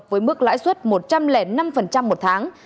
với mức lãi suất một trăm linh năm một tháng